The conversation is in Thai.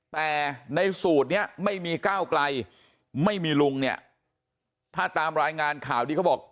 แต่ในสูตรนี้ไม่มีก้าวไกลไม่มีลุงเนี่ยถ้าตามรายงานข่าวที่เขาบอก